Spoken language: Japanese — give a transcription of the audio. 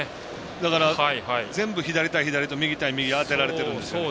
だから全部左対左、右対右で当てられてるんですよ。